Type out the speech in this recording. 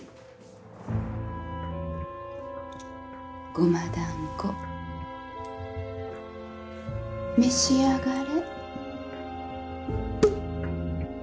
胡麻団子召し上がれ。